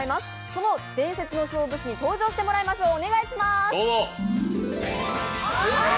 その伝説の勝負師に登場してもらいましょう。